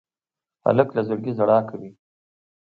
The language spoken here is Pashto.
هلک له زړګي ژړا کوي.